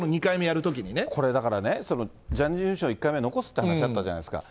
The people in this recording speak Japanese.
これだからね、ジャニーズ事務所、１回目、残すって話あったじゃないですか。